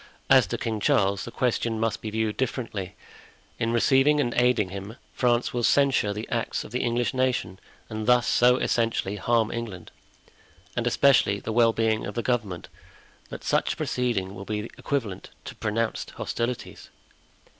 As to King Charles, the question must be viewed differently; in receiving and aiding him, France will censure the acts of the English nation, and thus so essentially harm England, and especially the well being of the government, that such a proceeding will be equivalent to pronounced hostilities."